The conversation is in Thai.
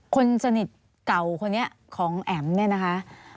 คนสนิทเก่าคนนี้ของแอ๋มเนี่ยนะคะ